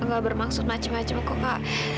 mila gak bermaksud macem macem kok kak